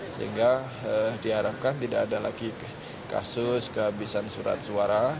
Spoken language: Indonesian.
sehingga diharapkan tidak ada lagi kasus kehabisan surat suara